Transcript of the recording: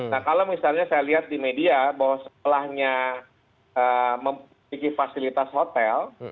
nah kalau misalnya saya lihat di media bahwa sekolahnya memiliki fasilitas hotel